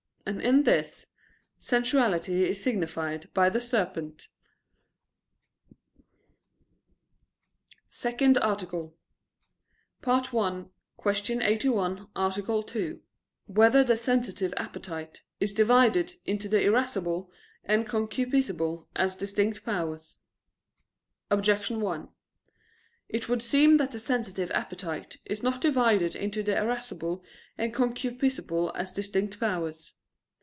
And in this, sensuality is signified by the serpent. _______________________ SECOND ARTICLE [I, Q. 81, Art. 2] Whether the Sensitive Appetite Is Divided into the Irascible and Concupiscible As Distinct Powers? Objection 1: It would seem that the sensitive appetite is not divided into the irascible and concupiscible as distinct powers.